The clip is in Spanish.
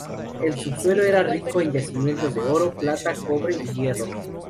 El subsuelo era rico en yacimientos de oro, plata, cobre y hierro.